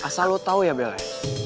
asal lo tahu ya belen